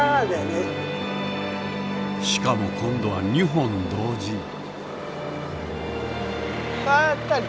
しかも今度は２本同時。